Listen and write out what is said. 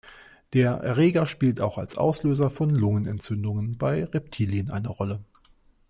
Der Erreger spielt auch als Auslöser von Lungenentzündungen bei Reptilien eine Rolle.